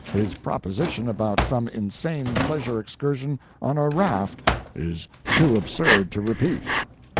His proposition about some insane pleasure excursion on a raft is too absurd to repeat."